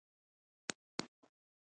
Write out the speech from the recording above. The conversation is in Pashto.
هغه غښتلی او زهر خوره انسان وو.